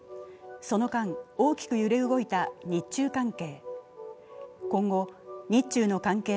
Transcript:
その間、大きく揺れ動いた日中関係